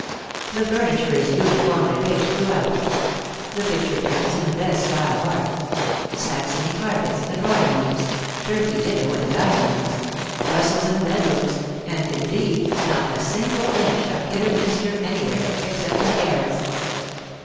The furniture is uniformly rich throughout : the picture frames in the best style of art ; Saxony carpets in the drawing rooms, Turkey ditto in the dining rooms, Brussels in the bedrooms, and indeed not a single inch of Kidderminster any where, except in the garrets.